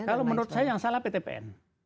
kalau menurut saya yang salah ptpn